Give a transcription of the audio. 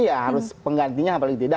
ya harus penggantinya apalagi tidak